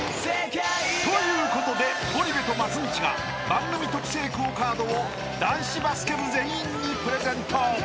［ということでゴリ部と松道が番組特製ＱＵＯカードを男子バスケ部全員にプレゼント］